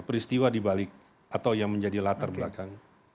peristiwa dibalik atau yang menjadi latar belakang